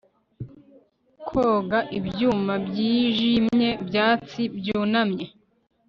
koga ibyuma byijimye byatsi byunamye